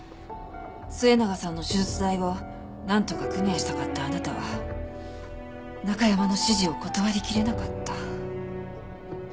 末永さんの手術代をなんとか工面したかったあなたはナカヤマの指示を断りきれなかった。